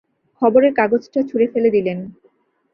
খবরের কাগজটা ছুঁড়ে ফেলে দিলেন।